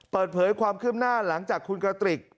เปิดเผยความคืบหน้าหลังจากคุณกระติก